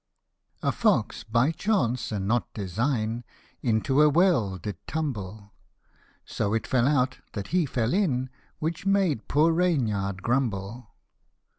A FOX by chance, and not design, Into a well did tumble ; So it fell out, that he fell in, Which made poor Reynard grumble.